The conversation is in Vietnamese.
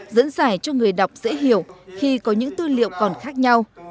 dẫn giải cho người đọc dễ hiểu khi có những tư liệu còn khác nhau